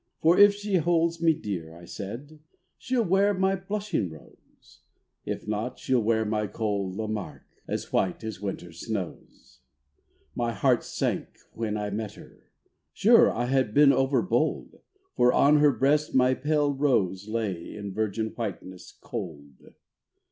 For if she holds me dear, I said, She'll wear my blushing rose; If not, she'll wear my cold Lamarque, As white as winter's snows. My heart sank when I met her: sure I had been overbold, For on her breast my pale rose lay In virgin whiteness cold.